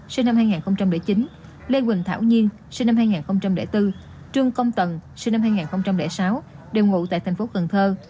sinh năm hai nghìn chín lê quỳnh thảo nhiên sinh năm hai nghìn bốn trương công tần sinh năm hai nghìn sáu đều ngụ tại thành phố cần thơ